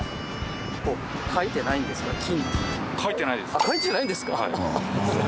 書いてないです。